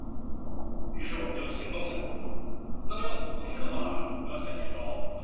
这个故事的主角是四郎少年。